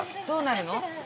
どうなるの？